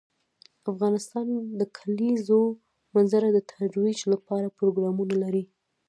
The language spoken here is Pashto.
افغانستان د د کلیزو منظره د ترویج لپاره پروګرامونه لري.